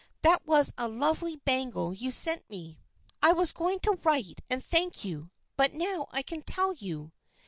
That was a lovely bangle you sent me. I was going to write and thank you, but now I can tell you."